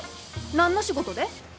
何の仕事で？